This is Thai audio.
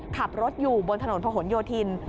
ขับรถอยู่บนถนนพะหนโยธิน